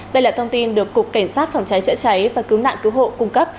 đây là thông tin được cục cảnh sát phòng cháy chữa cháy và cứu nạn cứu hộ cung cấp